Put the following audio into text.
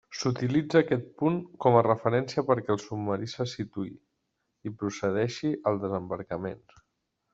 S'utilitza aquest punt com a referència perquè el submarí se situï i procedeixi al desembarcament.